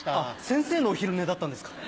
先生のお昼寝だったんですか？